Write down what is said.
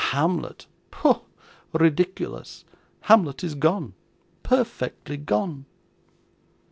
'Hamlet! Pooh! ridiculous! Hamlet is gone, perfectly gone.